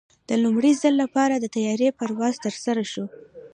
د لومړي ځل لپاره د طیارې پرواز ترسره شو.